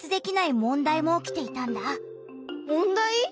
問題？